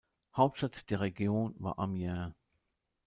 Hauptstadt der Region war Amiens.